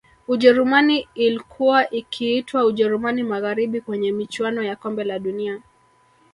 Ujerumani ilkuwa ikiitwa Ujerumani Magharibi kwenye michuano ya kombe la dunia